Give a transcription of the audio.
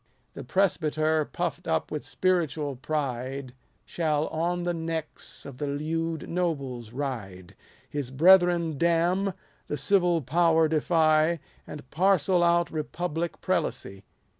The presbyter, puffd up with spiritual pride, Shall on the necks of the lewd nobles ride : His brethren damn, the civil power defy ; 300 And parcel out republic prelacy.